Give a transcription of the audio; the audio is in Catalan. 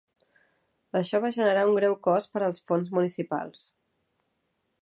Això va generar un greu cost per als fons municipals.